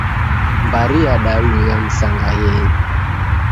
Mbari yadaluya msangaghenyi.